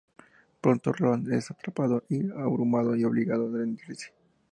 Pronto Roland es atrapado y abrumado y obligado a rendirse.